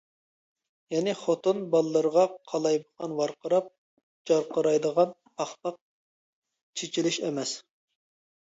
يەنى خوتۇن-بالىلىرىغا قالايمىقان ۋارقىراپ-جارقىرايدىغان پاخپاق چېچىلىش ئەمەس.